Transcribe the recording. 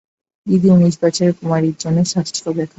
দিদি, উনিশ বছরের কুমারীর জন্যে শাস্ত্র লেখা হয় নি।